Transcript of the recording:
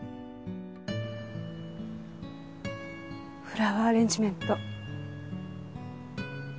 フラワーアレンジメント。